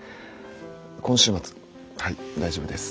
今週末はい大丈夫です。